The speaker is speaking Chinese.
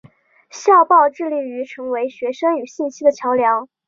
校报致力成为学生与信息的桥梁。